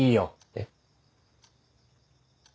えっ？